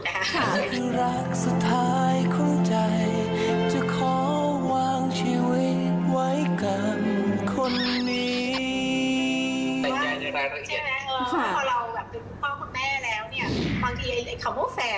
พอเราเป็นคุณพ่อคุณแม่แล้วบางทีไอ้คำว่าแฟนมันหายไปเลยนะ